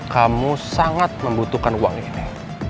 kamu sangat membutuhkan uang ini